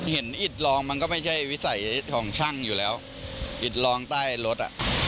อิดรองมันก็ไม่ใช่วิสัยของช่างอยู่แล้วอิดรองใต้รถอ่ะ